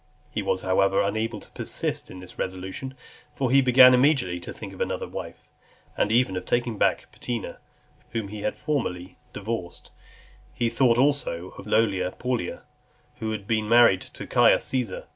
He was, however, unable to persist in this resolution; for he began immediately to think of another wife; and even of taking back Paetina, whom he had formerly divorced: he thought also of Lollia Paulina, who had been married to Caius Caesar.